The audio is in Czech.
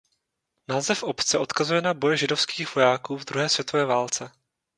Název obce odkazuje na boje židovských vojáků v druhé světové válce.